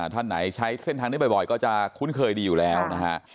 ท่านไหนใช้เส้นทางนี้บ่อยก็จะคุ้นเคยดีอยู่แล้วนะฮะ